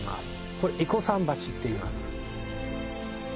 これ伊古桟橋っていいます